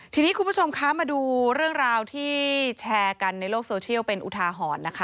ทีนี้คุณผู้ชมคะมาดูเรื่องราวที่แชร์กันในโลกโซเชียลเป็นอุทาหรณ์นะคะ